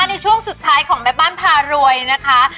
ในช่วงสุดท้ายของแม่บ้านพารวยนะคะ